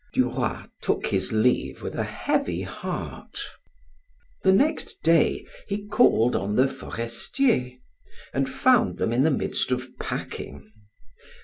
Duroy took his leave with a heavy heart. The next day he called on the Forestiers, and found them in the midst of packing.